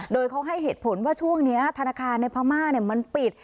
โดยเขาให้เหตุผลว่าช่วงนี้ธนาคารในพม่ามันปิด